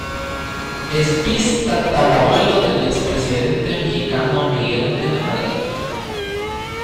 Es bis-tatarabuelo del expresidente mexicano Miguel de la Madrid.